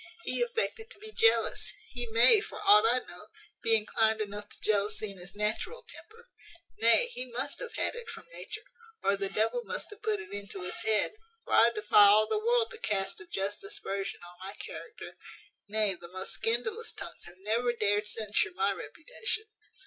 He affected to be jealous: he may, for aught I know, be inclined enough to jealousy in his natural temper; nay, he must have had it from nature, or the devil must have put it into his head; for I defy all the world to cast a just aspersion on my character: nay, the most scandalous tongues have never dared censure my reputation.